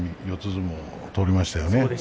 相撲を取りましたよね。